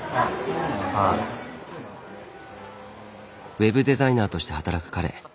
ウェブデザイナーとして働く彼。